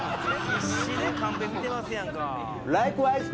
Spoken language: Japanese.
必死でカンペ見てますやんか。